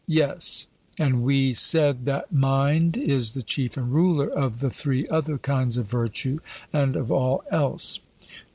'Yes; and we said that mind is the chief and ruler of the three other kinds of virtue and of all else.'